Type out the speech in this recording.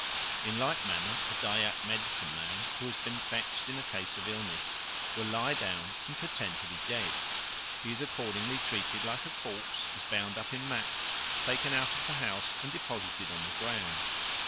In like manner a Dyak medicine man, who has been fetched in a case of illness, will lie down and pretend to be dead. He is accordingly treated like a corpse, is bound up in mats, taken out of the house, and deposited on the ground.